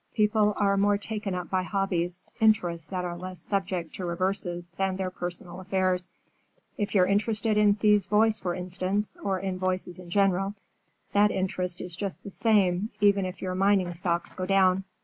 People are more taken up by hobbies, interests that are less subject to reverses than their personal affairs. If you're interested in Thea's voice, for instance, or in voices in general, that interest is just the same, even if your mining stocks go down."